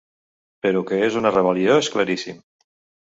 Però què és una rebel·lió, és claríssim.